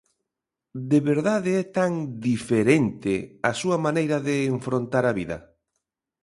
De verdade é tan 'diferente' a súa maneira de enfrontar a vida?